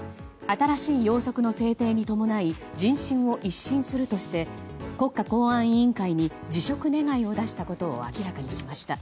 新しい要則の制定に伴い人心を一新するとして国家公安委員会に辞職願を出したことを明らかにしました。